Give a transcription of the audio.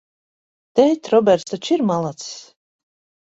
Tēt, Roberts taču ir malacis?